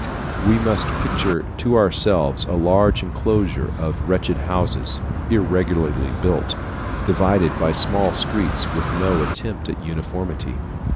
We must picture to ourselves a large enclosure of wretched houses, irregularly built, divided by small streets with no attempt at uniformity.